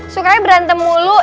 sukanya berantem mulu